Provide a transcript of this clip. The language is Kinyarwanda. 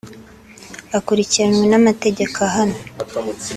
akurikiranwe n’amategeko ahana